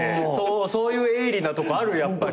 そういう鋭利なとこあるやっぱり。